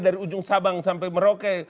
dari ujung sabang sampai merauke